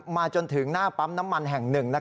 จนถึงหน้าปั๊มน้ำมันแห่งหนึ่ง